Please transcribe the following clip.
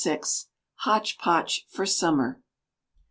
] 1206. Hotch Potch for Summer.